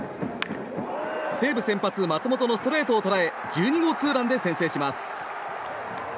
西武先発、松本のストレートを捉え１２号ツーランで先制します。